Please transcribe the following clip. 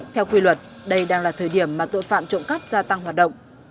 theo quy luật đây đang là thời điểm mà tội phạm trộm cắp gia tăng hoạt động